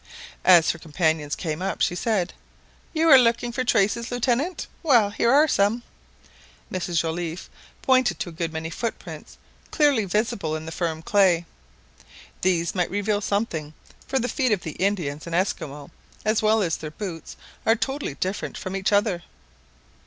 As her companions came up she said— "You are looking for traces, Lieutenant; well, here are some." And Mrs Joliffe pointed to a good many footprints clearly visible in the firm clay. These might reveal something; for the feet of the Indians and Esquimaux, as well as their boots, are totally different from each other.